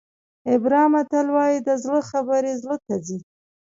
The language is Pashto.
هیبرا متل وایي د زړه خبرې زړه ته ځي.